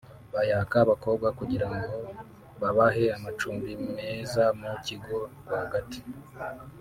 bayaka abakobwa kugira ngo babahe amacumbi meza mu kigo rwagati